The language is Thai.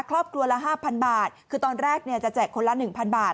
ครอบครัวละ๕๐๐บาทคือตอนแรกเนี่ยจะแจกคนละ๑๐๐บาท